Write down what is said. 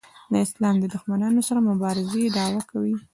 د اسلام له دښمنانو سره مبارزې دعوا کوي.